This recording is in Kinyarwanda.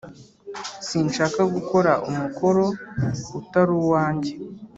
Sinshaka gukora umukoro utaru wanjye